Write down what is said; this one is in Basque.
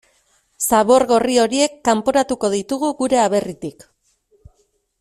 Zabor gorri horiek kanporatuko ditugu gure aberritik.